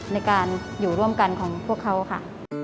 ในการอยู่ร่วมกันของพวกเขาค่ะ